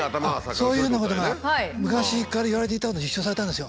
そういうようなことが昔からいわれていたことが立証されたんですよ